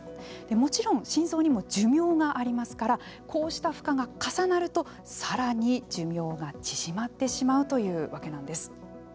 もちろん心臓にも寿命がありますからこうした負荷が重なるとさらに寿命が縮まってしまうというわけなんです。